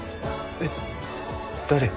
えっ誰？